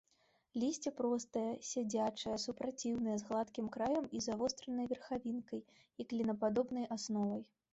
Лісце простае, сядзячае, супраціўнае, з гладкім краем і завостранай верхавінкай і клінападобнай асновай.